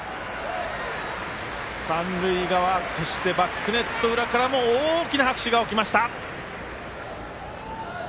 三塁側そしてバックネット裏からも大きな拍手が起きました。